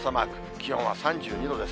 気温は３２度です。